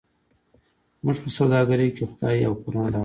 زموږ په سوداګرۍ کې خدای او قران راغی.